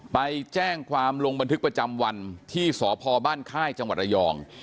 ไปแจ้งความลงบันทึกประจำวันที่สพบ้านค่ายจังหวัดระยอง